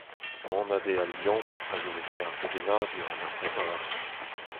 Anat eo al liammoù a zo etre ar sevenadur hag ar brezhoneg.